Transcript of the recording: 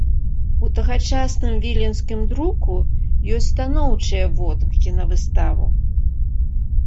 У тагачасным віленскім друку ёсць станоўчыя водгукі на выставу.